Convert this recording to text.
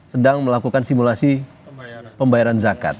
sedang melakukan simulasi pembayaran zakat